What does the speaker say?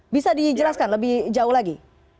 bisa dijelaskan lebih jauh lagi